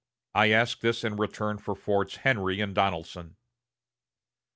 I ask this in return for Forts Henry and Donelson."